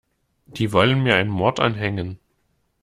Die wollen mir einen Mord anhängen.